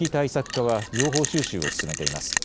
課は情報収集を進めています。